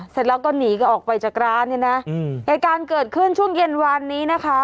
เสร็จแล้วก็หนีก็ออกไปจากร้านเนี่ยนะเหตุการณ์เกิดขึ้นช่วงเย็นวานนี้นะคะ